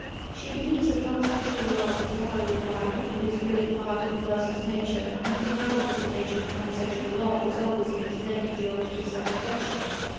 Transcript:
She believes that homosexual love is morally right when it is really part of a person's nature, and provided that the nature of homosexual love is always made plain to the object of such affection.